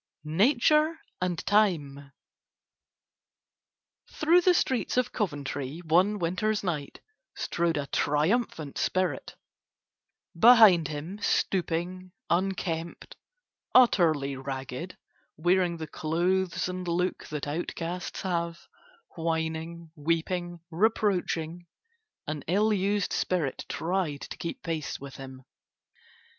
NATURE AND TIME Through the streets of Coventry one winter's night strode a triumphant spirit. Behind him stooping, unkempt, utterly ragged, wearing the clothes and look that outcasts have, whining, weeping, reproaching, an ill used spirit tried to keep pace with him.